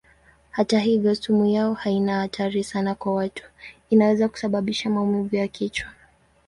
Hata hivyo sumu yao haina hatari sana kwa watu; inaweza kusababisha maumivu ya kichwa.